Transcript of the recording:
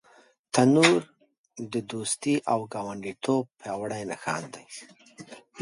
تنور د دوستۍ او ګاونډیتوب پیاوړی نښان دی